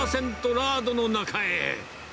ラードの中へ。